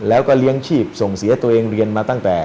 แล้วก็เลี้ยงชีพส่งเสียตัวเองเรียนมาตั้งแต่